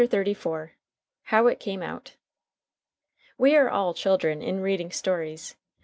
CHAPTER XXXIV. "HOW IT CAME OUT" We are all children in reading stories.